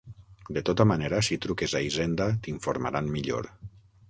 De tota manera, si truques a Hisenda t'informaran millor.